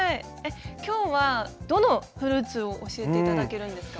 今日はどのフルーツを教えて頂けるんですか？